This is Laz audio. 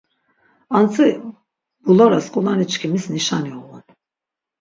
Antzi mbuloras ǩulaniçkimis nişani uğun.